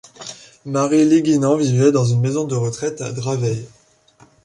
Marie Liguinen vivait dans une maison de retraite à Draveil.